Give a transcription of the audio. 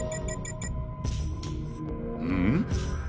うん？